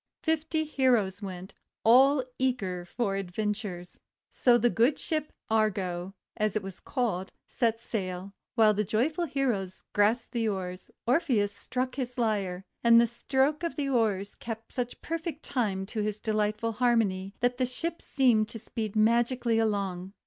Fifty heroes went, all eager for adventures. So the good Ship Argo, as it was called, set sail. While the joyful heroes grasped the oars, Orpheus struck his lyre, and the stroke of the oars kept such perfect time to his delightful harmony, that the ship seemed to speed magically along.